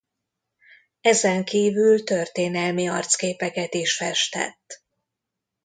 Ezenkívül történelmi arcképeket is festett.